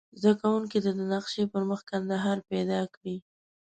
زده کوونکي دې د نقشې پر مخ کندهار پیدا کړي.